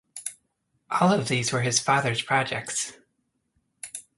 All of these were his father's projects.